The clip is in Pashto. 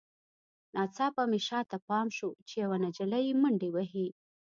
ناڅاپه مې شاته پام شو چې یوه نجلۍ منډې وهي